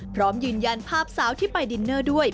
พร้อมยืนยันภาพสาวที่ไปดินเนอร์ด้วย